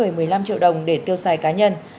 mỗi người một mươi năm triệu đồng để tiêu xài cá nhân